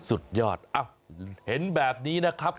สุดยอดเห็นแบบนี้นะครับ